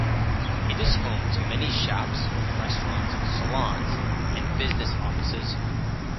It is home to many shops, restaurants, salons and business offices.